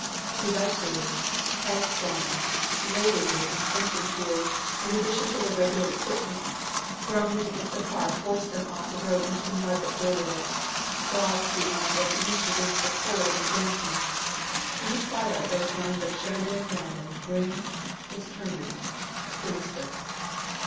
Two by two, heads down, laden with intrenching tools in addition to their regular equipment, grumbling as the car forced them off the road into the mud that bordered it, swathed beyond recognition against the cold and dampness, in the twilight those lines of shambling men looked grim, determined, sinister.